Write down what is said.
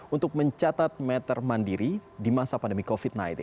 untuk mencatat meter mandiri di masa pandemi covid sembilan belas